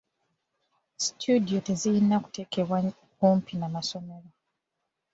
Situdiyo tezirina kuteekebwa kumpi n'amasomero.